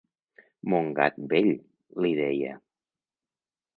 Mon gat vell, li deia.